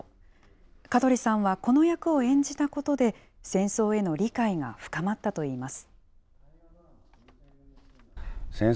香取さんはこの役を演じたことで、戦争への理解が深まったといいます。